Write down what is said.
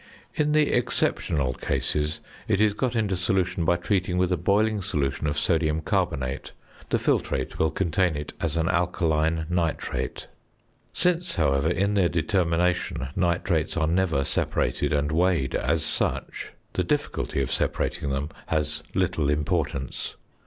In the exceptional cases it is got into solution by treating with a boiling solution of sodium carbonate; the nitrate will contain it as an alkaline nitrate. Since, however, in their determination, nitrates are never separated and weighed as such, the difficulty of separating them has little importance.